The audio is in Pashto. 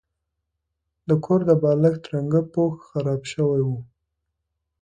د کور د بالښت رنګه پوښ خراب شوی و.